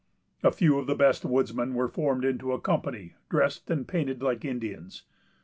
A few of the best woodsmen were formed into a company, dressed and painted like Indians.